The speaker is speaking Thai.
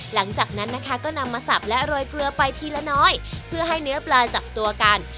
หลังจากนั้นนะคะก็นำมาสับและโรยเกลือไปทีละน้อยเพื่อให้เนื้อปลาจับตัวกัน